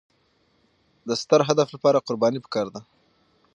د ستر هدف لپاره قرباني پکار ده.